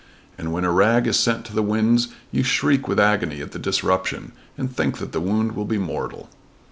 And when a rag is sent to the winds you shriek with agony at the disruption, and think that the wound will be mortal."